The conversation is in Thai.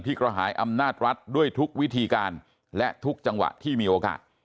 กระหายอำนาจรัฐด้วยทุกวิธีการและทุกจังหวะที่มีโอกาส